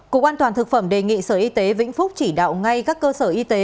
cục an toàn thực phẩm đề nghị sở y tế vĩnh phúc chỉ đạo ngay các cơ sở y tế